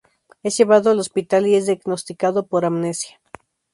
Es llevado al hospital y es diagnosticado por Amnesia.